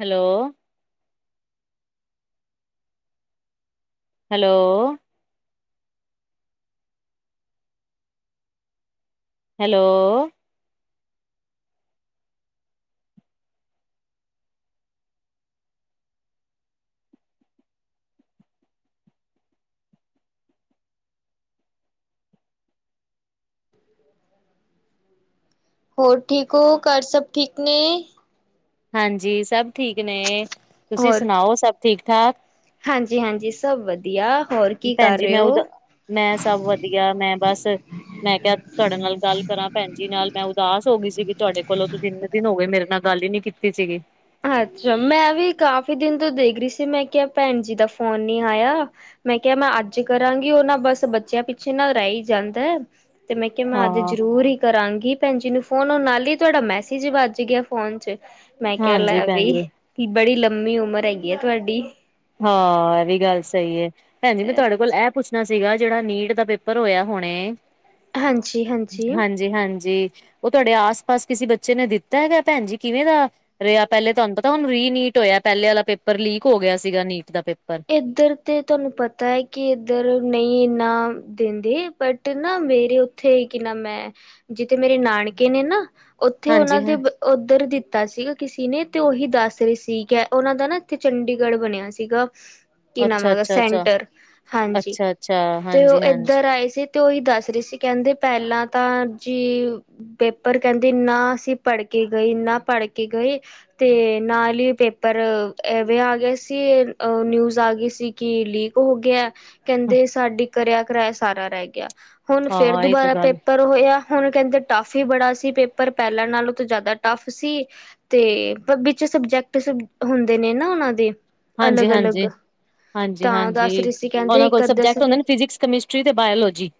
Hello hello hello. ਹੋਰ ਠੀਕ ਹੋ ਘਰ ਸਭ ਠੀਕ ਨੇ ਹਾਂਜੀ, ਸਭ ਠੀਕ ਨੇ ਤੁਸੀਂ ਸੁਣਾਓ ਸਭ ਠੀਕ ਠਾਕ। ਹਾਂਜੀ ਹਾਂਜੀ ਸਭ ਵਧੀਆ ਹੋਰ ਕੀ ਕਰ ਭੈਣਜੀ ਰਹੇ ਮੈਂ ਹੋ? ਉਦਾ ਮੈਂ ਸਭ ਵਧੀਆ ਮੈਂ ਬਸ ਮੈਂ ਕਿਹਾ ਤੁਹਾਡੇ ਨਾਲ ਗੱਲ ਕਰਾਂ ਭੈਣੀ ਜੀ ਨਾਲ ਮੈਂ ਉਦਾਸ ਹੋ ਗਈ ਸੀ ਕਿ ਤੁਹਾਡੇ ਕੋਲੋਂ ਤੁਸੀਂ ਕਈ ਦਿਨ ਹੋ ਗਏ ਮੇਰੇ ਨਾਲ ਗੱਲ ਹੀ ਨੀ ਕੀਤੀ ਸੀਗੀ ਅੱਛਾ ਮੈਂ ਵੀ ਕਾਫ਼ੀ ਦਿਨ ਤੋਂ ਦੇਖ ਰਹੀ ਸੀ ਮੈਂ ਕਿਹਾ ਭੈਣ ਜੀ ਦਾ ਫੋਨ ਨੀ ਆਇਆ ਮੈਂ ਕਿਹਾ ਮੈਂ ਅੱਜ ਕਰਾਂਗੀ ਉਹ ਨਾ ਬਸ ਬੱਚਿਆਂ ਪਿੱਛੇ ਨਾ ਰਹਿ ਹੀ ਜਾਂਦਾ ਏ। ਤੇ ਮੈਂ ਕਿਹਾ ਮੈਂ ਅੱਜ ਹਾਂ। ਜ਼ਰੂਰੀ ਹੀ ਕਰਾਂਗੀ ਭੈਣਜੀ ਨੂੰ ਫੋਨ ਨਾਲ ਹੀ ਤੁਹਾਡਾ ਮੈਸੇਜ ਵੱਜ ਗਿਆ ਫੋਨ ਚੱ ਕਹਿ ਲੇ ਹਾਂਜੀ ਭੈਣ ਜੀ ਵੀ ਬੜੀ ਲੰਮੀ ਉਮਰ ਹੈਗੀ ਆ ਤੁਹਾਡੀ ਹਾਂ, ਐ ਵੀ ਗੱਲ ਸਹੀ ਏ। ਭੈਣ ਜੀ ਮੈਂ ਤੁਹਾਡੇ ਕੋਲ ਐ ਪੁੱਛ ਪੁੱਛਣਾ ਸੀਗਾ ਜਿਹੜਾ ਨੀਟ ਦਾ ਪੇਪਰ ਹੋਇਆ ਹੁਣੇ ਹਾਂਜੀ-ਹਾਂਜੀ। ਜੀ ਹਾਂਜੀ ਉਹ ਤੁਹਾਡੇ ਆਸ-ਪਾਸ ਕਿਸੇ ਬੱਚੇ ਨੇ ਦਿੱਤਾ ਹੈਗਾ ਭੈਣ ਜੀ ਕਿਵੇਂ ਦਾ। ਰਿਹਾ ਪਹਿਲੇ ਤੁਹਾਨੂੰ ਪਤਾ ਹੁਣ ਰੀਨੀਟ ਹੋਇਆ ਪਹਿਲੇ ਆਲਾ ਪੇਪਰ ਲੀਕ ਹੋ ਗਿਆ ਸੀਗਾ ਨੀਟ ਦਾ ਪੇਪਰ। ਇੱਧਰ ਤੇ ਤੁਹਾਨੂੰ ਪਤਾ ਹੈ ਕਿ ਇੱਧਰ ਨਹੀਂ ਇੰਨਾ ਦਿੰਦੇ ਬਟ ਜਿਥੇ ਨਾ ਮੇਰੇ ਉੱਥੇ ਕੀ ਨਾ ਮੈਂ ਜਿੱਥੇ ਮੇਰੇ ਨਾਨਕੇ ਨੇ ਨਾ ਉੱਥੇ ਹਾਂਜੀ ਉਹਨਾਂ ਦੇ ਹਾਂ ਉੱਧਰ ਦਿੱਤਾ ਸੀਗਾ ਕਿਸੇ ਨੇ ਅਤੇ ਉਹੀ ਦੱਸ ਰਹੇ ਸੀਗੇ ਉਹਨਾਂ ਦਾ ਨਾ ਇੱਥੇ ਚੰਡੀਗੜ੍ਹ ਬਣਿਆ ਸੀਗਾ ਕੀ ਨਾਂ ਉਦਾਂ ਅੱਛਾ-ਅੱਛਾ-ਅੱਛਾ, ਸੈਂਟਰ ਹਾਂਜੀ ਅੱਛਾ-ਅੱਛਾ ਤੇ ਉਹ ਹਾਂਜੀ-ਹਾਂਜੀ ਇੱਧਰ ਆਏ ਸੀ ਤੇ ਉਹੀ ਦੱਸ ਰਹੀ ਸੀ ਕਹਿੰਦੇ ਪਹਿਲਾਂ ਤਾਂ ਜੀ ਪੇਪਰ ਕਹਿੰਦੇ ਨਾ ਅਸੀਂ ਪੜ੍ਹ ਕੇ ਗਏ ਨਾ ਪੜ੍ਹ ਕੇ ਗਏ। ਤੇ ਨਾਲ ਹੀ ਪੇਪਰ ਐਵੇਂ ਆ ਗਏ ਸੀ ਉਹ ਨਿਊਜ਼ ਆ ਗਈ ਸੀ ਕਿ ਲੀਕ ਹੋ ਗਿਆ ਕਹਿੰਦੇ ਸਾਡੀ ਕਰਿਆ ਕਰੈਸ਼ ਸਾਰਾ ਰੈ ਗਿਆ ਹੁਣ ਫੇਰ ਹਾਂ ਇਹ ਤੇ ਦੁਬਾਰਾ ਗੱਲ ਪੇਪਰ ਹੋਇਆ ਹੁਣ ਕੈਂਦੇ ਟਫ ਹੀ ਬੜਾ ਸੀ। ਪੇਪਰ ਪੈਂਲਾਂ ਨਾਲੋਂ ਤਾਂ ਜਾਦਾ ਟਫ ਸੀ। ਤੇ ਵਿੱਚ ਸਬਜੈਕਟ ਸਬ ਹੁੰਦੇ ਨੇ ਨਾ ਉਹਨਾਂ ਦੇ ਹਾਂਜੀ ਅਲੱਗ ਹਾਂਜੀ ਅਲੱਗ ਤਾਂ ਹਾਂਜੀ-ਹਾਂਜੀ। ਦੱਸ ਰਹੀ ਸੀ ਕਹਿੰਦੇ ਉਹਨਾਂ ਕੋਲ ਇੱਕ ਸਬਜੈਕਟ ਅੱਧਾ ਹੁੰਦੇ ਨੇ ਫਿਜਿਕਸ, ਕਮਿਸਟਰੀ ਅਤੇ ਬਾਇਓਲੋਜੀ।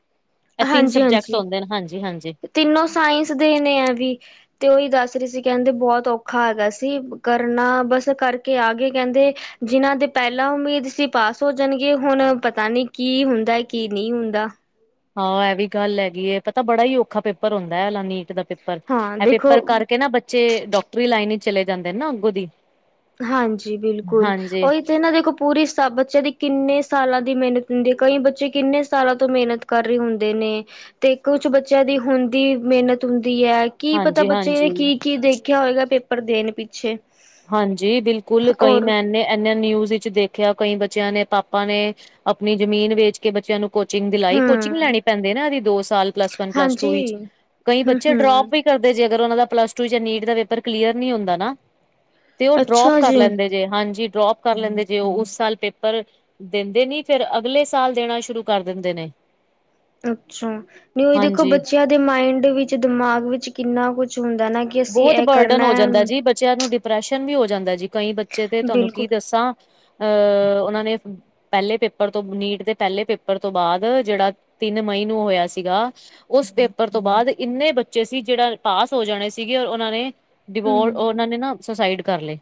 ਇਹ ਤਿੰਨ ਸਬਜੈਕਟ ਉਂਦੇ ਨੇ ਹਾਂਜੀ-ਹਾਂਜੀ। ਤਿਨੋਂ ਸਾਇੰਸ ਦੇ ਨੇ ਐ ਵੀ ਤੇ ਉਹੀ ਦੱਸ ਰਹੀ ਸੀ ਕਹਿੰਦੇ ਬਹੁਤ ਔਖਾ ਹੈਗਾ ਸੀ ਕਰਨਾ ਬਸ ਕਰਕੇ ਆ ਗਏ ਕਹਿੰਦੇ ਜਿਨ੍ਹਾਂ ਦੇ ਪਹਿਲਾਂ ਉਮੀਦ ਸੀ ਪਾਸ ਹੋ ਜਾਣਗੇ ਹੁਣ ਪਤਾ ਨਹੀਂ ਕੀ ਹੁੰਦਾ ਕੀ ਨਹੀਂ ਹੁੰਦਾ ਆਹੋ ਇਹ ਵੀ ਗੱਲ ਹੈਗੀਏ ਪਤਾ ਬੜਾ ਹੀ ਔਖਾ ਪੇਪਰ ਹੁੰਦਾ ਹੈ ਆ ਨੀਟ ਦਾ ਪੇਪਰ ਹਾਂ ਪੇਪਰ ਇਹ ਦੇਖੋ ਪੇਪਰ ਕਰਕੇ ਨਾ ਬੱਚੇ ਡਾਕਟਰੀ ਲਾਈਨ ਚ ਚਲੇ ਜਾਂਦੇ ਨੇ ਨਾ ਅੱਗੋਂ ਦੀ। ਹਾਂਜੀ ਬਿਲਕੁੱਲ ਹਾਂਜੀ ਉਹ ਤੇ ਇਹਨਾਂ ਦੇਖੋ ਪੂਰੀ ਸਬ ਬੱਚਿਆ ਦੀ ਕਿੰਨੇ ਸਾਲਾਂ ਦੀ ਮੇਨਤ ਹੁੰਦੀ ਹੈ। ਕਈ ਬੱਚੇ ਕਿੰਨੇ ਸਾਲਾਂ ਤੋਂ ਮੇਨਤ ਕਰ ਰਹੇ ਹੁੰਦੇ ਨੇ ਤੇ ਕੁੱਛ ਬੱਚਿਆਂ ਦੀ ਹੁੰਦੀ ਦੀ ਮਿਹਨਤ ਹੁੰਦੀ ਹੈ ਕੀ ਪਤਾ ਬੱਚੇ ਹਾਂਜੀ-ਹਾਂਜੀ, ਨੇ ਹਾਂਜੀ ਕੀ ਕੀ ਦੇਖ [unintelligible] ਹੋਏਗਾ ਪੇਪਰ ਦੇਣ ਪਿੱਛੇ ਹਾਂਜੀ ਬਿਲਕੁਲ, ਕਈ ਔਰ ਨੈਨ ਨੇ ਇੰਨੇ ਨਿਊਜ਼ ਵਿੱਚ ਦੇਖ [unintelligible] ਕਈ ਬੱਚਿਆਂ ਨੇ ਪਾਪਾ ਨੇ ਆਪਣੀ ਜਮੀਨ ਵੇਚ ਕੇ ਬੱਚਿਆਂ ਨੂੰ ਕੋਚਿੰਗ ਦਿਲਾਈ ਕੋਚਿੰਗ ਹੂੰ, ਲੈਣੀ ਪੈਂਦੇ ਨਾ ਇਹਦੀ ਦੋ ਸਾਲ ਪਲੱਸ ਵਨ ਪਲੱਸ ਟੂ ਹਾਂਜੀ, ਵਿੱਚ ਕਈ ਬੱਚੇ ਹੂੰ-ਹੂੰ, ਡਰੋਪ ਵੀ ਕਰਦੇ ਜੇ ਅਗਰ ਉਹਨਾਂ ਦਾ ਪਲੱਸ ਟੂ ਚ ਨੀਟ ਦਾ ਪੇਪਰ ਕਲੀਅਰ ਨਿ ਹੁੰਦਾ ਨਾ ਤੇ ਉਹ ਡਰੋਪ ਅੱਛਾ ਕਰ ਜੀ। ਲੈਂਦੇ ਜੇ, ਹਾਂਜੀ ਡਰੋਪ ਕਰ ਲੈਂਦੇ ਜੇ, ਉਹ ਉਸ ਸਾਲ ਪੇਪਰ। ਦਿੰਦੇ ਨੀ ਫਿਰ ਅਗਲੇ ਸਾਲ ਦੇਣਾ ਸ਼ੁਰੂ ਕਰ ਦਿੰਦੇ ਨੇ ਅੱਛਾ ਨਹੀਂ ਉਹੀ ਦੇਖੋ ਹਾਂਜੀ। ਬੱਚਿਆਂ ਦੇ ਮਾਇੰਡ ਵਿੱਚ ਦਿਮਾਗ ਵਿੱਚ ਕਿੰਨਾ ਕੁੱਛ ਹੁੰਦਾ ਨਾ ਕਿ ਅਸੀਂ ਬਹੁਤ ਇਹ ਬਰਡਨ ਕਰਨਾ ਹੋ ਜਾਂਦਾ ਜੀ ਬੱਚਿਆਂ ਨੂੰ ਡਿਪ੍ਰੈਸ਼ਨ ਵੀ ਹੋ ਜਾਂਦਾ ਜੀ ਕਈ ਬੱਚੇ ਤੇ ਤੁਹਾਨੂੰ ਬਿਲਕੁਲ ਕੀ ਦੱਸਾਂ ਅਹ ਉਹਨਾਂ ਨੇ ਪਹਿਲੇ ਪੇਪਰ ਤੋਂ ਨੀਟ ਦੇ ਪਹਿਲੇ ਪੇਪਰ ਤੋਂ ਬਾਅਦ ਜਿਹੜਾ ਤਿੰਨ ਮਈ ਨੂੰ ਹੋਇਆ ਸੀਗਾ ਉਸ ਪੇਪਰ ਤੋਂ ਬਾਅਦ ਇੰਨੇ ਬੱਚੇ ਸੀ ਜਿਹੜਾ ਪਾਸ ਹੋ ਜਾਣੇ ਸੀ। ਸੀਗੇ ਔਰ ਉਹਨਾਂ ਨੇ ਡਿਵੋਰ ਹੂੰ, ਉਹਨਾਂ ਨੇ ਨਾ ਸੁਸਾਈਡ ਕਰ ਲਏ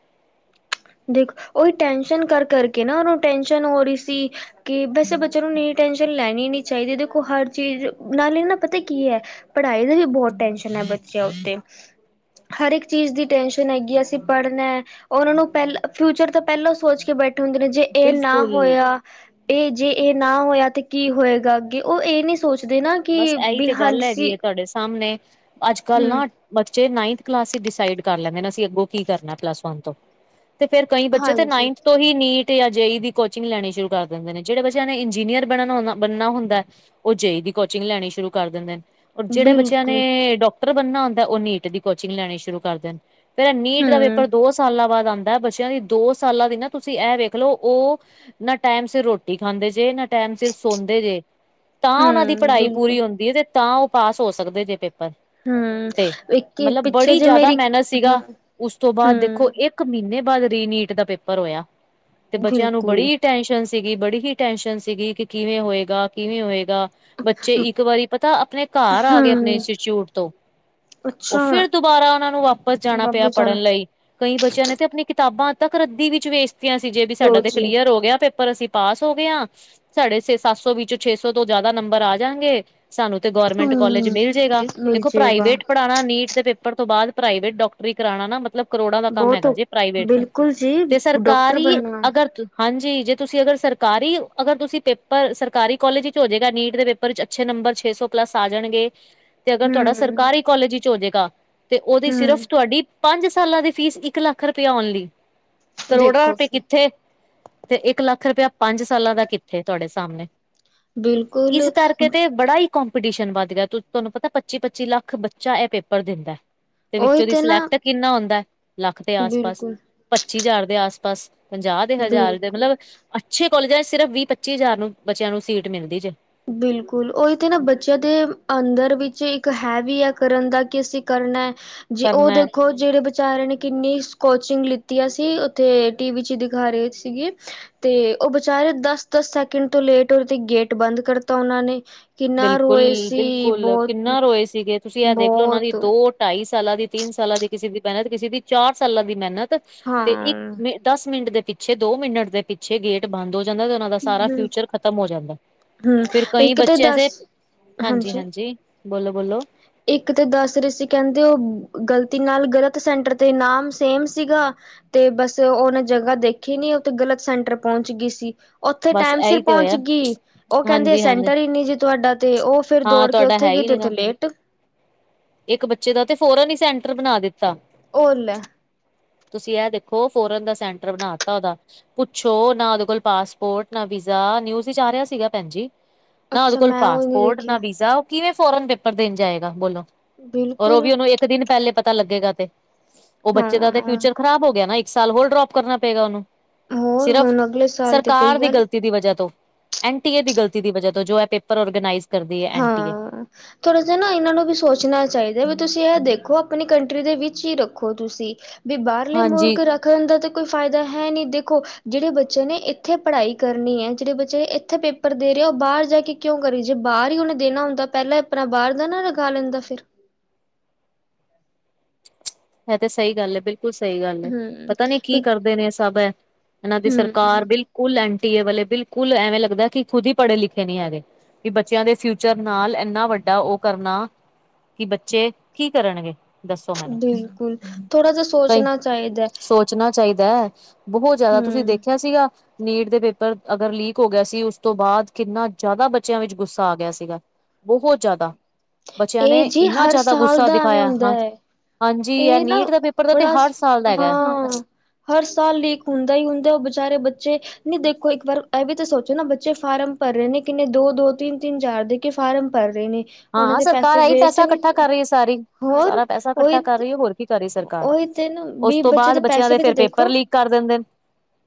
ਦੇਖ ਉਹੀ ਟੈਸ਼ਨ ਕਰ ਕਰਕੇ ਨਾ ਉਹਨੂੰ ਟੈਸ਼ਨ ਹੋ ਰਹੀ ਸੀ ਕਿ ਵੈਸੇ ਬੱਚਿਆਂ ਨੂੰ ਇਨੀ ਟੈਸ਼ਨ ਲੈਣੀ ਨਹੀ ਚਾਹੀਦੀ ਦੇਖੋ ਹਰ ਚੀਜ਼ ਨਾਲਏ ਨਾ ਪਤਾ ਕੀ ਏ ਪੜ੍ਹਾਈ ਦਾ ਵੀ ਬਹੁਤ ਟੈਸ਼ਨ ਹੈ ਬੱਚਿਆਂ ਉੱਤੇ ਹਰ ਇੱਕ ਚੀਜ਼ ਦੀ ਟੈਂਨਸ਼ਨ ਹੈਗੀ ਅਸੀਂ ਪੜ੍ਹਨਾ ਔਰ ਉਹਨਾਂ ਨੂੰ ਪੈਲਾਂ ਫਿਊਚਰ ਤਾਂ ਪੈਲੋ ਸੋਚ ਕੇ ਬੈਠੇ ਹੁੰਦੇ ਨੇ ਜੇ ਇਹ ਨਾ ਬਿਲਕੁਲ ਹੋਇਆ ਇਹ ਜੇ ਇਹ ਨਾ ਹੋਇਆ ਤੇ ਕੀ ਹੋਏਗਾ ਅੱਗੇ ਉਹ ਇਹ ਨੀ ਸੋਚਦੇ। ਨਾ ਬਸ ਕਿ ਇਹੀ ਵੀ ਤੇ ਗੱਲ ਹੈਗੀ ਹਾਂਜੀ ਏ। ਤੁਹਾਡੇ ਸਾਹਮਣੇ ਅੱਜ ਕੱਲ੍ਹ ਹਮ ਨਾ ਬੱਚੇ ਨਾਈਨਥ ਕਲਾਸ ਚ ਡਿਸਾਈਡ ਕਰ ਲੈਂਦੇ ਨੇ ਅਸੀਂ ਅੱਗੋਂ ਕੀ ਕਰਨਾ ਪਲੱਸ ਵਨ ਤੋਂ ਤੇ ਫੇਰ ਕਈ ਬੱਚੇ ਤੇ ਹਾਂਜੀ ਨਾਈਨਥ ਤੋਂ ਹੀ ਨੀਟ ਤੇ ਆ ਜੇ ਈ ਦੀ ਕੋਚਿੰਗ ਲੈਣੀ ਸ਼ੁਰੂ ਕਰ ਦਿੰਦੇ ਨੇ ਜਿਹੜੇ ਬੱਚਿਆਂ ਨੇ ਇੰਜੀਨੀਅਰ ਬਣਨਾ ਹੁੰਦਾ ਹੈ ਉਹ ਜੇ ਦੀ ਕੋਚਿੰਗ ਲੈਣੀ ਸ਼ੁਰੂ ਕਰ ਦਿੰਦੇ ਜਿਹੜੇ ਬੱਚਿਆਂ ਨੇ ਬਿਲਕੁਲ ਡਾਕਟਰ ਮਤਲੱਬ ਉਹਨਾਂ ਹੁੰਦਾ ਉਹ ਨੀਟ ਦੀ ਕੋਚਿੰਗ ਲੈਣੀ ਸ਼ੁਰੂ ਕਰ ਦੇਣ ਫੇਰ ਨੀਟ ਦਾ ਹਮ ਪੇਪਰ ਦੋ ਸਾਲਾਂ ਬਾਅਦ ਆਉਂਦਾ ਬੱਚਿਆਂ ਦੀ ਦੋ ਸਾਲਾਂ ਦੀ ਨਾ ਤੁਸੀਂ ਇਹ ਵੇਖ ਲਓ ਉਹ ਨਾ ਟਾਈਮ ਸਿਰ ਰੋਟੀ ਖਾਂਦੇ ਜੇ ਨਾ ਟਾਈਮ ਸਿਰ ਸੋਂਦੇ ਜੇ ਤਾਂ ਉਹਨਾਂ ਦੀ ਹਮ ਪੜ੍ਹਾਈ ਬਿਲਕੁਲ ਪੂਰੀ ਹੁੰਦੀ ਹੈ ਤੇ ਤਾਂ ਉਹ ਪਾਸ ਹੋ ਸਕਦੇ ਜੇ ਪੇਪਰ ਹਮ ਤੇ, ਇੱਕ ਮਤਲਬ ਪਿੱਛੇ ਬੜੀ ਜੇ ਜਾਦਾ ਮੇਰੀ ਮੇਹਨਤ ਹ ਸੀਗਾ ਉਸ ਤੋਂ ਬਾਅਦ ਦੇਖੋ ਹਮ ਏਹ ਇੱਕ ਮਹੀਨੇ ਬਾਅਦ ਰੀ ਨੀਟ ਦਾ ਪੇਪਰ ਹੋਇਆ ਤੇ ਬੱਚਿਆਂ ਨੂੰ ਬਿਲਕੁਲ ਬੜੀ ਟੈਸ਼ਨ ਸੀਗੀ ਬੜੀ ਹੀ, ਟੈਸ਼ਨ ਸੀਗੀ ਕਿ ਕਿਵੇਂ ਹੋਏਗਾ, ਕਿਵੇਂ ਹੋਏਗਾ ਬੱਚੇ ਇੱਕ ਵਾਰੀ ਪਤਾ ਆਪਣੇ ਘਰ ਆ ਗਏ ਆਪਣੇ ਹਮ ਇੰਸਟੀਚਿਊਟ ਤੋਂ ਉਹ ਅੱਛਾ ਫਿਰ ਦੁਬਾਰਾ ਉਹਨਾਂ ਨੂੰ ਵਾਪਸ ਜਾਣਾ ਪਿਆ ਬਾਬਾ ਜਾਨਾ ਪੜ੍ਹਨ ਲਈ ਕਈ ਬੱਚਿਆਂ ਨੇ ਤੇ ਆਪਣੀ ਕਿਤਾਬਾਂ ਤੱਕ ਰੱਦੀ ਵਿੱਚ ਵੇਚਤੀਆਂ ਸੀ ਜੇ, ਵੀ ਸਾਡਾ ਲੋ ਤੇ ਜੀ ਕਲੀਅਰ ਹੋ ਗਿਆ ਪੇਪਰ, ਅਸੀਂ ਪਾਸ ਹੋ ਗਏ ਆ, ਸਾਡੇ ਛੇ ਸੱਤ ਸੌ ਵਿੱਚੋ ਛੇ ਸੌ ਤੋਂ ਜ਼ਿਆਦਾ ਨੰਬਰ ਆ ਜਾਣਗੇ, ਸਾਨੂੰ ਤੇ ਗੌਰਮੈਂਟ ਹਮ ਕੋਲਜ ਮਿਲ ਜੇਗਾ, ਮਿਲ ਦੇਖੋ ਜੇਗਾ ਪ੍ਰਾਈਵੇਟ ਪੜ੍ਹਾਉਣਾ, ਨੀਟ ਦੇ ਪੇਪਰ ਤੋਂ ਬਾਅਦ ਪ੍ਰਾਈਵੇਟ ਡਾਕਟਰੀ ਕਰਾਉਣਾ ਨਾ ਮਤਲਬ। ਕਰੋੜਾਂ ਦਾ ਕੰਮ ਬਹੁਤ ਹੈਗਾ ਜੇ ਪ੍ਰਾਈਵੇਟ ਬਿਲਕੁਲ ਜੀ ਤੇ ਡਾਕਟਰ ਸਰਕਾਰੀ ਬਣਨਾ ਅਗਰ ਤ ਹਾਂਜੀ, ਜੇ ਤੁਸੀਂ ਅਗਰ ਸਰਕਾਰੀ, ਅਗਰ ਤੁਸੀਂ ਪੇਪਰ, ਸਰਕਾਰੀ ਕੋਲਜ ਇੱਚ ਹੋ ਜੇਗਾ ਨੀਟ ਦੇ ਪੇ ਪੇਪਰ ਚ ਅੱਛੇ ਨੰਬਰ ਛੇ ਸੌ ਪਲੱਸ ਆ ਜਾਣਗੇ ਤੇ ਅਗਰ ਤੁਹਾਡਾ ਹੂੰ ਸਰਕਾਰੀ ਕਾਲਜ ਵਿੱਚ ਹੋ ਜਾਏਗਾ। ਤੇ ਉਹਦੀ ਹੂੰ ਸਿਰਫ ਤੁਆਡੀ ਪੰਜ ਸਾਲਾਂ ਦੀ ਫੀਸ, ਇੱਕ ਲੱਖ ਰੁਪਿਆ ਓਨਲੀ। ਕਰੋੜਾਂ ਦੇਖੋ ਰੁਪਏ ਫਿਰ ਕਿੱਥੇ, ਤੇ ਇੱਕ ਲੱਖ ਰੁਪਇਆ ਪੰਜ ਸਾਲਾਂ ਦਾ ਕਿੱਥੇ ਤੁਹਾਡੇ ਸਾਹਮਣੇ। ਬਿਲਕੁਲ। ਕੇ ਤੇ ਬੜਾ ਈ ਕੌਮਪੀਟੀਸ਼ਨ ਵੱਧ ਗਿਆ, ਤੁ ਤੁਹਾਨੂੰ ਪਤਾ ਪੱਚੀ-ਪੱਚੀ ਲੱਖ ਬੱਚਾ ਏਹ ਪੇਪਰ ਦਿੰਦਾ ਏ। ਤੇ ਉਹੀ ਵਿੱਚੋਂ ਦੀ ਨਾ ਸਿਲੈਕਟ ਕਿੰਨਾ ਹੁੰਦਾ ਏ ਲੱਖ ਦੇ ਆਸ-ਪਾਸ ਬਿਲਕੁਲ ਪੱਚੀ ਹਜ਼ਾਰ ਦੇ ਆਸ-ਪਾਸ ਪੰਜਾਹ ਦੇ ਹਜ਼ਾਰ ਦੇ ਬਿਲਕੁਲ ਮਤਲਬ ਅੱਛੇ ਕੋਲਜਾਂ ਸਿਰਫ ਵੀਹ ਪੱਚੀ ਹਜ਼ਾਰ ਨੂੰ ਬੱਚਿਆਂ ਨੂੰ ਸੀਟ ਮਿਲਦੀ ਜੇ। ਬਿਲਕੁਲ, ਉਈ ਤੇ ਨਾ, ਬੱਚਿਆਂ ਦੇ ਆਂਦਰ ਵਿੱਚ ਇੱਕ ਹੈ ਵੀ ਹੈ ਕਰਨ ਦਾ, ਕਿ ਅਸੀਂ ਕਰਨਾ ਹੈ। ਜੇ ਉਹ ਕਰਨਾ ਦੇਖੋ ਜਿਹੜੇ ਵਿਚਾਰਿਆਂ ਨੇ ਕਿੰਨੀ ਕੋਚਿੰਗ ਲਿੱਤੀਆਂ ਸੀ, ਉੱਥੇ ਟੀ ਵੀ ਚ ਦਿਖਾ ਰਹੇ ਸੀਗੀ ਤੇ ਉਹ ਬਚਾਰੇ ਦਸ-ਦਸ ਸੈਕਿੰਡ ਤੋਂ ਲੇਟ ਹੋਏ, ਤੇ ਗੇਟ ਬੰਦ ਕਰਤਾ ਉਹਨਾਂ ਨੇ। ਕਿੰਨਾ ਰੋਏ ਸੀ ਬਿਲਕੁਲ-ਬਿਲਕੁਲ, ਬਹੁਤ ਕਿੰਨਾ ਰੋਏ ਸੀਗੇ ਤੁਸੀ ਐ ਦੇਖਲੋ ਉਹਨਾਂ ਦੀ ਬਹੁਤ ਦੋ ਢਾਈ ਸਾਲਾਂ ਦੀ, ਤਿੰਨ ਸਾਲਾਂ ਦੀ, ਕਿਸੇ ਦੀ ਮਿਹਨਤ ਕਿਸੇ ਦੀ ਚਾਰ ਸਾਲਾਂ ਦੀ ਮਿਹਨਤ ਤੇ ਇੱਕ ਹਾਂ ਮਿੰਟ ਦਸ ਮਿੰਟ ਦੇ ਪਿੱਛੇ, ਦੋ ਮਿੰਟ ਦੇ ਪਿੱਛੇ, ਗੇਟ ਬੰਦ ਹੋ ਜਾਂਦਾ ਤੇ ਨਾਲੇ ਦਾ ਸਾਰਾ ਬਿਲਕੁਲ ਫਿਊਚਰ ਖਤਮ ਹੋ ਜਾਂਦਾ, ਹੂੰ ਫੇਰ ਕਈ ਇੱਕ ਤੇ ਬੱਚੇ ਐਸੇ, ਦਸ ਹਾਂਜੀ ਹਾਂਜੀ-ਹਾਂਜੀ। ਬੋਲੋ-ਬੋਲੋ। ਇੱਕ ਤੇ ਦਸ ਰਏ ਸੀ, ਕਹਿੰਦੇ ਉਹ ਗ਼ਲਤੀ ਨਾਲ, ਗਲਤ ਸੈਂਟਰ ਤੇ, ਨਾਮ ਸੇਮ ਸੀਗਾ ਤੇ ਬਸ ਉਹਨੇ ਜਗ੍ਹਾ ਦੇਖੀ ਨੀ, ਉਹ ਤੇ ਗ਼ਲਤ ਸੈਂਟਰ ਪਹੁੰਚ ਗਈ ਸੀ। ਉਥੇ ਬਸ ਟਾਈਮ ਸਿਰ ਇਹੀ ਤੇ ਪਹੁੰਚ ਹੋਇਆ ਗਈ, ਉਹ ਕਹਿੰਦੇ ਹਾਂਜੀ-ਹਾਂਜੀ ਸੈਂਟਰ ਈ ਨੀ ਜੀ ਤੁਹਾਡਾ ਤੇ, ਉਹ ਫੇਰ ਹਾਂ ਦੌੜਕੇ ਤੁਹਾਡਾ ਓਥੇ ਹੈ ਗਈ ਹੀ ਤੇ, ਨੀ ਗਾ ਥੱਲੇ ਇੱਟ। ਇੱਕ ਬੱਚੇ ਦਾ ਤੇ ਫੋਰਨ ਈ ਸੈਂਟਰ ਬਣਾ ਦਿੱਤਾ। ਔ ਲੈ। ਤੁਸੀਂ ਏਹ ਦੇਖੋ, ਫੋਰਨ ਦਾ ਸੈਂਟਰ ਬਣਾ ਤਾ ਉਹਦਾ। ਪੁੱਛੋ? ਨਾ ਉਹਦੇ ਕੋਲ ਪਾਸਪੋਰਟ, ਨਾ ਵੀਜ਼ਾ, ਨਿਊਜ਼ ਚ ਆ ਰਿਆ ਸੀਗਾ ਭੈਣਜੀ। ਨਾ ਉਹਦੇ ਅੱਛਾ ਕੋਲ ਮੈਂ ਉਹ ਨੀ ਪਾਸਪੋਰਟ, ਦੇਖਿਆ ਨਾ ਵੀਜ਼ਾ, ਉਹ ਕਿਵੇਂ ਫੋਰਨ ਪੇਪਰ ਦੇਣ ਜਾਏਗਾ? ਬੋਲੋ? ਔਰ ਉਹ ਵੀ ਬਿਲਕੁਲ ਉਹਨੂੰ ਇੱਕ ਦਿਨ ਪਹਿਲੇ ਪਤਾ ਲੱਗੇਗਾ ਤੇ, ਉਹ ਬੱਚੇ ਦਾ ਤੇ ਹਾਂ ਫਿਊਚਰ ਖ਼ਰਾਬ ਹੋ ਗਿਆ ਨਾ, ਇੱਕ ਸਾਲ ਹੋਰ ਡਰੋਪ ਕਰਨਾ ਪਏਗਾ ਉਹਨੂੰ, ਹੋਰ ਸਿਰਫ ਹੁਣ ਅਗਲੇ ਸਾਲ ਤੇ ਸਰਕਾਰ ਗਈ ਦੀ ਗੱਲ ਗਲ ਦੀ ਵਜਾਹ ਤੋਂ, ਐਨ ਟੀ ਏ ਦੀ ਗਲਤੀ ਦੀ ਵਜ੍ਹਾ ਤੋਂ, ਜੋ ਐ ਪੇਪਰ ਓਰਗਨਾਈਜ਼ ਕਰਦੀ ਏ, ਐਨ ਟੀ ਏ। ਥੋੜਾ ਜਿਆ ਨਾ ਇਹਨਾਂ ਨੂੰ ਵੀ ਸੋਚਣਾ ਚਾਹੀਦਾ, ਵੀ ਤੁਸੀਂ ਏਹ ਦੇਖੋ, ਆਪਣੀ ਕੰਟਰੀ ਦੇ ਵਿੱਚ ਈ ਰੱਖੋ‌ ਤੁਸੀਂ। ਵੀ ਬਾਹਰਲੇ ਹਾਂਜੀ ਮੁਲਕ ਰੱਖਣ ਦਾਂ ਤੇ ਕੋਈ ਫਾਇਦਾ ਹੈ ਨਹੀਂ। ਦੇਖੋ ਜੇਹੜੇ ਬੱਚੇ ਨੇ ਏਥੇ ਪੜ੍ਹਾਈ ਕਰਨੀ ਐ, ਜੇਹੜੇ ਬੱਚੇ ਨੇ ਇੱਥੇ ਪੇਪਰ ਦੇ ਰਏ ਏ, ਉਹ ਬਾਹਰ ਜਾ ਕੇ ਕਿਉਂ ਕਰੀ ਜੇ ਬਾਅਰ ਹੀ ਉਹਨੇ ਦੇਣਾ ਹੁੰਦਾ, ਪਹਿਲੇ ਹੀ ਆਪਣਾ ਬਾਹਰ ਦਾ ਨਾ ਲਗਾ ਲੈਂਦਾ ਫਿਰ? ਏਹ ਤੇ ਸਈ ਗੱਲ ਏ, ਬਿਲਕੁਲ ਸਈ ਗੱਲ ਏ, ਹਮ ਪਤਾ ਨੀ ਕੀ ਕਰਦੇ ਨੇ, ਇਹ ਸਭ ਏ? ਇਹਨਾਂ ਦੀ ਸਰਕਾਰ, ਹਮ ਬਿਲਕੁਲ ਐਨ ਟੀ ਏ ਵਾਲੇ, ਬਿਲਕੁਲ ਐਵੇਂ ਲੱਗਦਾ ਕਿ ਖੁਦ ਈ ਪੜ੍ਹੇ ਲਿਖੇ ਨਹੀਂ ਹੈਗੇ। ਕਿ ਬੱਚਿਆਂ ਦੇ ਫਿਊਚਰ ਨਾਲ, ਏਨਾ ਵੱਡਾ ਉਹ ਕਰਨਾ ਕੀ ਬੱਚੇ, ਕੀ ਕਰਨਗੇ? ਦੱਸੋ ਮੈਨੂੰ? ਬਿਲਕੁਲ। ਥੋੜਾ ਜਿਆ ਕਈ ਸੋਚਣਾ ਚਾਹੀਦਾ। ਸੋਚਣਾ ਚਾਹੀਦਾ ਏ, ਬਹੋਤ ਜ਼ਿਆਦਾ, ਤੁਸੀਂ ਹਮ ਦੇਖਿਆ ਸੀਗਾ ਨੀਟ ਦੇ ਪੇਪਰ, ਅਗਰ ਲੀਕ ਹੋ ਗਿਆ ਸੀ, ਉਸ ਤੋਂ ਬਾਅਦ, ਕਿੰਨਾ ਜ਼ਿਆਦਾ ਬੱਚਿਆਂ ਵਿੱਚ ਗੁੱਸਾ ਆ ਗਿਆ ਸੀਗਾ। ਬਹੋਤ ਜ਼ਿਆਦਾ, ਬੱਚਿਆਂ ਨੇ ਇਹ ਜੀ ਇੰਨਾ ਹਰ ਜ਼ਿਆਦਾ ਗੁੱਸਾ ਦਿਖਾਇਆ, ਹਾਂ। ਹਾਂਜੀ ਇਹ ਏਹ ਨਾ, ਨੀਟ ਦਾ ਪੇਪਰ ਦਾ ਤੇ ਬੜਾ, ਹਰ ਸਾਲ ਦਾ ਹੈਗਾ ਹਾਂ। ਹਰ ਸਾਲ ਲੀਕ ਹੁੰਦਾ ਈ ਹੁੰਦਾ ਏ, ਉਹ ਬੇਚਾਰੇ ਬੱਚੇ, ਨੀ ਦੇਖੋ ਇੱਕ ਵਾਰ ਏਹ ਵੀ ਤੇ ਸੋਚੋ ਨਾ, ਬੱਚੇ ਫਾਰਮ ਭਰ ਰਏ ਨੇ, ਕਿੰਨੇ ਦੋ-ਦੋ, ਤਿੰਨ-ਤਿੰਨ ਹਜ਼ਾਰ ਦੇ ਕੇ ਫਾਰਮ ਭਰ ਰਹੇ ਨੇ। ਉਹਨਾਂ ਹਾਂ, ਦੇ ਸਰਕਾਰ ਪੈਸੇ ਐ ਈ ਵੇਸਟ ਪੈਸਾ ਵੀ ਇਕੱਠਾ ਕਰ ਰਈ ਹੈ ਸਾਰੀ, ਹੋਰ ਸਾਰਾ ਪੈਸਾ ਇਕੱਠਾ ਉਹੀ ਕਰ ਰਈ ਏ, ਹੋਰ ਕੀ ਕਰ ਰਹੀ ਸਰਕਾਰ? ਉਹੀ ਤੇ ਨਾ ਉਸ ਵੀ ਤੋਂ ਬੱਚੇ ਬਾਅਦ, ਬੱਚਿਆਂ ਪੈਸੇ ਦੇ ਵੀ ਤੇ ਫਿਰ ਪੇਪਰ ਦੇਖੋ ਲੀਕ ਕਰ ਦਿੰਦੇ ਨ,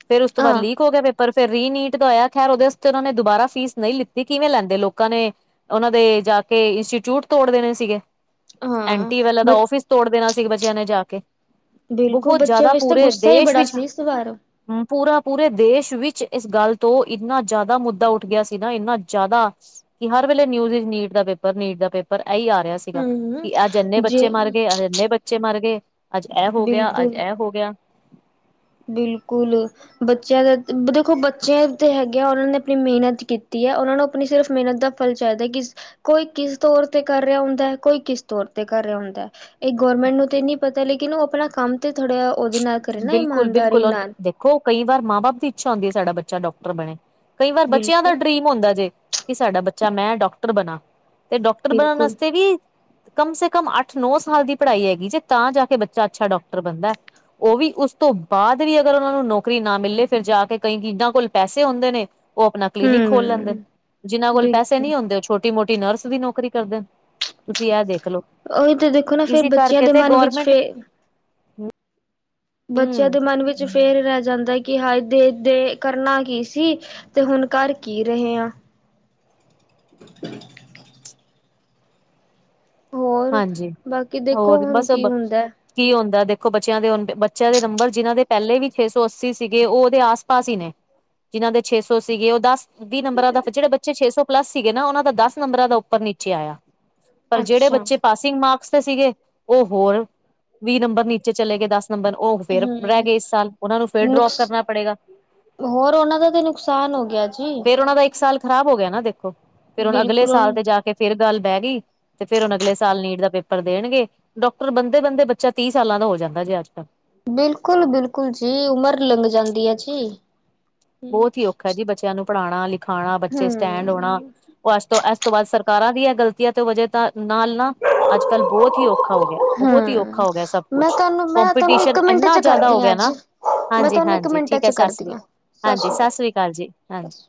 ਫੇਰ ਉਸ ਤੋਂ ਬਾਅਦ ਹਾਂ ਲੀਕ ਹੋ ਗਿਆ ਪੇ ਪਰ ਫਿਰ ਰੀ ਨੀਟ ਦਾ ਹੋਇਆ, ਖੈਰ ਉਹਦੇ ਅਸਤੇ ਉਹਨਾਂ ਨੇ ਦੁਬਾਰਾ ਫੀਸ ਨਈ ਲਿੱਤੀ, ਕਿਵੇਂ ਲੈਂਦੇ? ਲੋਕਾਂ ਨੇ ਉਹਨਾਂ ਦੇ ਜਾ ਕੇ ਇੰਸਟੀਚਿਊਟ ਤੋੜ ਦੇਣੇ ਸੀਗੇ। ਐਂ ਹਾਂ ਟੀ ਵਾਲੇ ਦਾ ਬ ਔਫਿਸ ਤੋੜ ਦੇਣਾ ਸੀ ਬੱਚਿਆਂ ਨੇ ਜਾ ਕੇ। ਬਿਲਕੁਲ ਬਹੋਤ ਬੱਚਿਆਂ ਜ਼ਿਆਦਾ, ਵਿੱਚ ਤਾਂ ਪੂਰੇ ਗੁੱਸਾ ਹੀ ਦੇਸ਼ ਬੜਾ ਵਿੱਚ ਸੀ ਇਸ ਵਾਰ ਹੂੰ, ਪੂਰਾ ਪੂਰੇ ਦੇਸ਼ ਵਿੱਚ ਇਸ ਗੱਲ ਤੋਂ, ਇੰਨਾ ਜ਼ਿਆਦਾ ਮੁੱਦਾ ਉੱਠ ਗਿਆ ਸੀ ਨਾ, ਇੰਨਾ ਜ਼ਿਆਦਾ ਕਿ ਹਰ ਵੇਲੇ ਨਿਊਜ਼ ਚ ਨੀਟ ਦਾ ਪੇ ਪਰ, ਨੀਟ ਦਾ ਪੇਪਰ ਏਈ ਆ ਰਿਹਾ ਸੀਗਾ। ਹਮ ਕਿ ਅੱਜ ਇੰਨੇ ਬੱਚੇ ਜੇ ਮਰ ਗਏ, ਅੱਜ ਇੰਨੇ ਬੱਚੇ ਮਰ ਗਏ। ਅੱਜ ਏਹ ਹੋ ਗਿਆ, ਅੱਜ ਬਿਲਕੁਲ ਏਹ ਹੋ ਗਿਆ। ਬਿਲਕੁਲ। ਬੱਚਿਆਂ ਦਾ, ਬ ਦੇਖੋ ਬੱਚੇ ਤੇ ਹੈਗੇ ਆ, ਉਹਨਾਂ ਨੇ ਆਪਣੀ ਮਿਹਨਤ ਕੀਤੀ ਏ। ਉਹਨਾਂ ਨੂੰ ਆਪਣੀ ਸਿਰਫ਼ ਮਿਹਨਤ ਦਾ ਫਲ ਚਾਹੀਦਾ ਕਿ ਕੋਈ ਕਿਸ ਤੌਰ ਤੇ ਕਰ ਰਿਹਾ ਹੁੰਦਾ-ਕੋਈ ਕਿਸ ਤੌਰ ਤੇ ਕਰ ਰਿਹਾ ਹੁੰਦਾ। ਇਹ ਗੌਰਰਮੈਂਟ ਨੂੰ ਤੇ ਨਹੀਂ ਪਤਾ। ਲੇਕਿਨ ਉਹ ਆਪਣਾ ਕੰਮ ਤੇ ਥੋੜ੍ਹਾ ਉਹਦੇ ਨਾਲ ਕਰੇ ਨਾ ਇਮਾਨਦ ਕੁਲਨ, ਦੇਖੋ ਕਈ ਵਾਰ ਮਾਂ ਬਾਪ ਦੀ ਇੱਛਾ ਹੁੰਦੀ ਹੈ। ਸਾਡਾ ਬੱਚਾ ਡਾਕਟਰ ਬਣੇ। ਕਈ ਵਾਰ ਬੱਚਿਆਂ ਦਾ ਬਿਲਕੁਲ ਡਰੀਮ ਹੁੰਦਾ ਜੇ ਕਿ ਸਾਡਾ ਬੱਚਾ ਮੈਂ ਡਾੱਕਟਰ ਬਣਾ। ਤੇ ਡਾੱਕਟਰ ਬਣਾਣ ਬਿਲਕੁਲ ਵਾਸਤੇ ਵੀ ਕਮ ਸੇ ਕਮ ਅੱਠ ਨੌ ਸਾਲ ਦੀ ਪੜ੍ਹਾਈ ਹੈਗੀ ਜੇ ਤਾਂ ਜਾ ਕੇ ਬੱਚਾ ਅੱਛਾ ਡਾਕਟਰ ਬਣਦਾ। ਉਹ ਵੀ ਉਸ ਤੋਂ ਬਾਅਦ ਵੀ ਅਗਰ ਉਹਨਾਂ ਨੂੰ ਨੌਕਰੀ ਨਾ ਮਿਲੇ। ਫਿਰ ਜਾ ਕੇ ਕਈ ਕਿਦਾਂ ਕੋਲ ਪੈਸੇ ਹੁੰਦੇ ਨੇ ਉਹ ਆਪਣਾ ਕਲੀਨਿਕ ਖੋਲ ਲੈਂਦੇ ਨੇ ਹਮ ਜਿਨ੍ਹਾਂ ਕੋਲ ਪੈਸੇ ਬਿਲਕੁਲ ਨਹੀਂ ਹੁੰਦੇ ਉਹ ਛੋਟੇ ਛੋਟੀ-ਮੋਟੀ ਨਰਸ ਦੀ ਨੌਕਰੀ ਕਰਦੇ ਨੇ, ਤੁਸੀਂ ਇਹ ਦੇਖਲਓ। ਉਹੀ ਤੇ ਦੇਖੋ ਨਾ। ਫੇਰ ਬੱਚਿਆਂ ਦੇ ਮਨ ਵਿੱਚ ਗੌਰਮੈਂਟ ਫੇ ਬੱਚਿਆਂ ਹੂੰ ਦੇ ਮਨ ਵਿੱਚ ਫੇਰ ਰਹਿ ਜਾਂਦਾ। ਕਿ ਹਏ ਦੇ-ਦੇ ਕਰਨਾ ਕੀ ਸੀ। ਤੇ ਹੁਣ ਕਰ ਕੀ ਰਹੇ ਆ। [inaudible] ਹੋਰ ਹਾਂਜੀ ਬਾਕੀ ਦੇਖੋ ਹੋਰ ਹੁਣ ਬਸ ਇਝ ਕੀ ਬਚ ਹੁੰਦਾ। ਕੀ ਹੁੰਦਾ ਦੇਖੋ। ਬੱਚਿਆਂ ਦੇ, ਬੱਚਿਆਂ ਦੇ ਨੰਬਰ ਜਿਹਨਾਂ ਦੇ ਪਹਿਲੇ ਵੀ ਛੇ ਸੌ ਅੱਸੀ ਸੀਗੇ। ਉਹ ਉਹਦੇ ਆਸ-ਪਾਸ ਹੀ ਨੇ ਜਿਨ੍ਹਾਂ ਦੇ ਛੇ ਸੌ ਸੀਗੇ। ਉਹ ਦਸ ਵੀਹ ਨੰਬਰਾਂ ਦਾ ਜਿਹੜੇ ਬੱਚੇ ਛੇ ਸੌ ਪਲੱਸ ਸੀਗੇ ਨਾ ਉਹਨਾਂ ਦਾ ਦਸ ਨੰਬਰਾਂ ਉਪਰ ਨੀੇਚੇ ਆਇਆ। ਪਰ ਜਿਹੜੇ ਅੱਛਾ। ਬੱਚੇ ਪਾਸਿੰਗ ਮਾਰਕਸ ਤੇ ਸੀਗੇ। ਉਹ ਹੋਰ ਵੀਹ ਨੰਬਰ ਨੀਚੇ ਚਲੇ ਗਏ ਦਸ ਨੰਬਰ ਉਹ ਫੇਰ ਰਹਿ ਹੂੰ ਗਏ ਇਸ ਸਾਲ। ਉਹਨਾ ਨੂੰ ਫਿਰ ਡਰੋਪ ਨੁਕਸ ਕਰਨਾ ਪੜੇਗਾ। ਹੋਰ ਉਹਨਾਂ ਦਾ ਤੇ ਨੁਕਸਾਨ ਹੋ ਗਿਆ ਜੀ। ਫੇਰ ਉਹਨਾਂ ਦਾ ਇੱਕ ਸਾਲ ਖ਼ਰਾਬ ਹੋ ਗਿਆ ਨਾ ਦੇਖੋ ਫਿਰ ਹੁਣ ਅਗਲੇ ਸਾਲ ਬਿਲਕੁਲ ਤੇ ਜਾ ਕੇ ਫੇਰ ਗੱਲ ਬਹਿ ਗਈ ਤੇ ਫੇਰ ਹੁਣ ਅਗਲੇ ਸਾਲ ਨੀਟ ਦਾ ਪੇਪਰ ਦੇਣਗੇ। ਡਾਕਟਰ ਬੰਦੇ -ਬੰਦੇ ਬੱਚਾ ਤੀਹ ਸਾਲਾਂ ਦਾ ਹੋ ਜਾਂਦਾ ਜੇ ਅੱਜ-ਕੱਲ੍ਹ ਬਿਲਕੁਲ -ਬਿਲਕੁਲ ਜੀ। ਉਮਰ ਲੰਘ ਜਾਂਦੀ ਐ ਜੀ। ਬਹੁਤ ਹੀ ਔਖਾ ਜੀ ਬੱਚਿਆਂ ਨੂੰ ਪੜ੍ਹਾਣਾਲਿਖਾਣਾ, ਬੱਚੇ ਸਟੈਂਡ ਹੋਣਾ। ਹੂੰ-ਹੂੰ। ਉਹ ਅੱਜ ਤੋਂ ਇਸ ਤੋਂ ਬਾਅਦ ਸਰਕਾਰਾਂ ਦੀ ਇਹ ਗਲਤੀਆਂ ਤੇ ਵਜੇ ਤਾਂ ਨਾਲ ਨਾ ਅੱਜ-ਕੱਲ੍ਹ ਬੋਤ ਬਹੁਤ ਹੀ ਔਖਾ ਹੋ ਗਿਆ ਬਹੁਤ ਹੀ ਔਖਾ ਹੋ ਗਿਆ ਸਭ ਮੈਂ ਕੁਛ ਤੁਹਾਨੂੰ ਮੈਂ ਤੁਹਾਨੂੰ ਕੋਂਪੀਟੀਸ਼ਨ ਇੱਕ ਮਿੰਟ ਇੰਨਾ ਚ ਜ਼ਿਆਦਾ ਹੋ ਕਰਦੀ ਹਾਂ ਗਿਆ ਨਾ। ਜੀ। ਮੈਂ ਤੁਹਾਨੂੰ ਇੱਕ ਹਾਂਜੀ-ਹਾਂਜੀ ਮਿੰਟ ਠੀਕ ਹੈ। ਚ ਸਾਸ ਕਰਦੀ ਸ੍ਰੀ ਹਾਂ ਹਾਂਜੀ। ਸ਼੍ਰੀ ਸਤਿ ਸ੍ਰੀ ਅਕਾਲ ਜੀ ਸਤਿ ਹਾਂਜੀ। ਸ਼੍ਰੀ